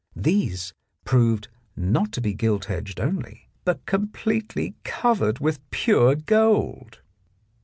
These proved not to be gilt edged only, but completely covered with pure gold.